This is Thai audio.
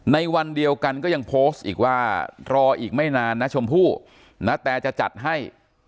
ในวันเดียวกันก็ยังโพสต์อีกว่ารออีกไม่นานนะชมพู่ณแต่จะจัดให้